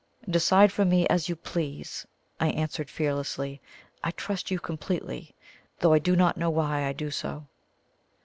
"Decide for me as you please," I answered fearlessly. "I trust you completely, though I do not know why I do so."